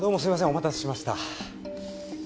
お待たせしました。